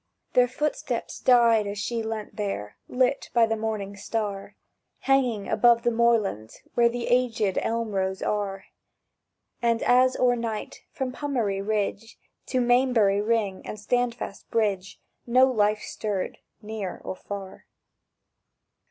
Their footsteps died as she leant there, Lit by the morning star Hanging above the moorland, where The aged elm rows are; And, as o'ernight, from Pummery Ridge To Maembury Ring and Standfast Bridge No life stirred, near or far.